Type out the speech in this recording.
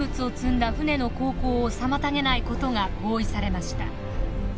船の航行を妨げないことが合意されました。